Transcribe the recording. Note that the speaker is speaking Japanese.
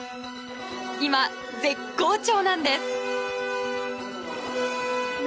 今、絶好調なんです。